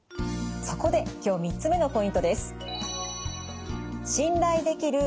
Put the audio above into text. そこで今日３つ目のポイントです。